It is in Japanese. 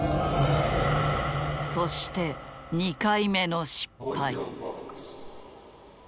そして２回目の失敗。